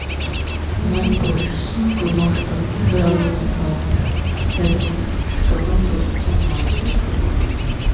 Նա բուժսանգումարտակի հրամանատար էր և ուներ բժշկական ծառայության մայորի կոչում։